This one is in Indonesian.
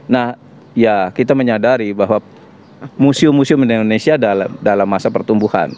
nah ya kita menyadari bahwa museum museum di indonesia dalam masa pertumbuhan